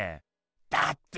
だってよ